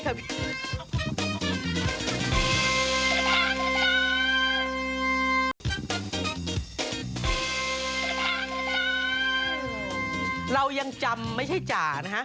เรายังจำไม่ใช่จ่านะฮะ